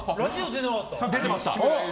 出てました。